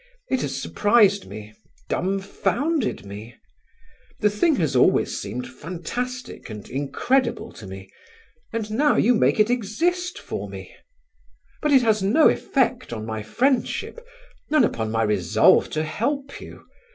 It has surprised me, dumbfounded me. The thing has always seemed fantastic and incredible to me and now you make it exist for me; but it has no effect on my friendship; none upon my resolve to help you.